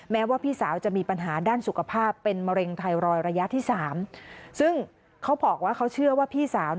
แม้ว่าพี่สาวจะมีปัญหาด้านสุขภาพ